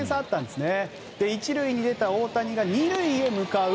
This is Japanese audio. １塁へ出た大谷が２塁へ向かう。